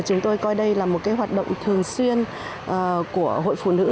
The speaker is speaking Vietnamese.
chúng tôi coi đây là một hoạt động thường xuyên của hội phụ nữ